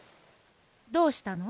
どうしたの？